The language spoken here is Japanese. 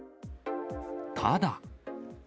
ただ。